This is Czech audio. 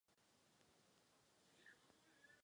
Ve třech letech se začala učit hrát na klavír.